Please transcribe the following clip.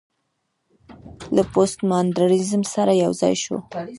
له پوسټ ماډرنيزم سره يوځاى شو